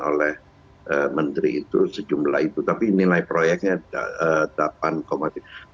oleh menteri itu sejumlah itu tapi nilai proyeknya delapan tiga triliun